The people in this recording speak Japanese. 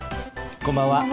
こんばんは。